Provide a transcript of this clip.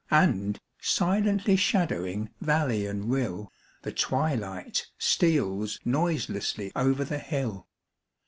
And, silently shadowing valley and rill, The twilight steals noiselessly over the hill.